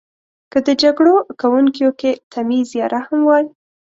که د جګړو کونکیو کې تمیز یا رحم وای.